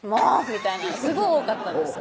みたいなすごい多かったんですよ